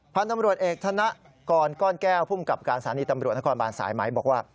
พันธุ์ตำรวจเอกธนกรก้อนแก้วภูมิกับการสถานีตำรวจนครบานสายไหมบอกว่า